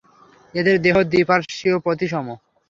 এদের দেহ দ্বিপার্শ্বীয় প্রতিসম।